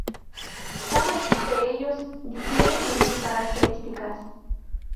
Cada uno de ellos difiere en su características.